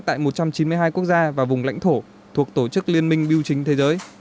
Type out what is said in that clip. tại một trăm chín mươi hai quốc gia và vùng lãnh thổ thuộc tổ chức liên minh biểu chính thế giới